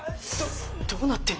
どうなってんの！？